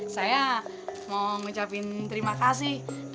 saya mau ngucapin terima kasih